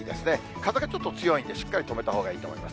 風がちょっと強いんで、しっかり留めたほうがいいと思います。